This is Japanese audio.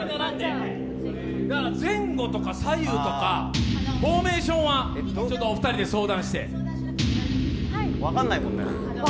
前後とか左右とか、フォーメーションはお二人で相談して。